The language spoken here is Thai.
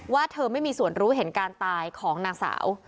เธอไม่มีส่วนรู้เห็นการตายของนางสาว